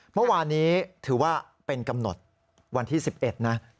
เมื่อวานนี้ถือว่าเป็นกำหนดวันที่๑๑นะ